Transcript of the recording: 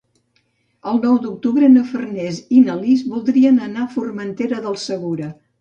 El nou d'octubre na Farners i na Lis voldrien anar a Formentera del Segura.